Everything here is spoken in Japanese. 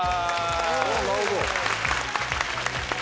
なるほど。